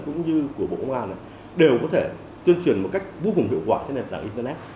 cũng như của bộ công an đều có thể tuyên truyền một cách vô cùng hiệu quả trên nền tảng internet